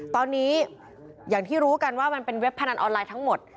ตอนนี้อย่างที่รู้กันว่ามันเป็นเว็บพนันออนไลน์ทั้งหมด